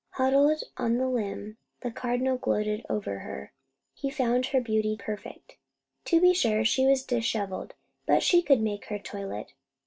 Huddled on the limb, the Cardinal gloated over her. He found her beauty perfect. To be sure, she was dishevelled; but she could make her toilet.